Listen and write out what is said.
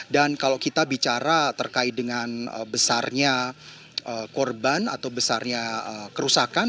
dan kalau kita bicara terkait dengan besarnya korban atau besarnya kerusakan